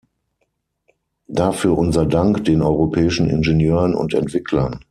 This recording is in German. Dafür unser Dank den europäischen Ingenieuren und Entwicklern.